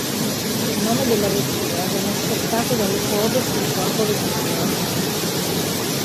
Il nome della vettura venne spostato dalle code sul corpo vettura.